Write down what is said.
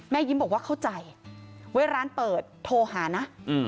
ยิ้มบอกว่าเข้าใจไว้ร้านเปิดโทรหานะ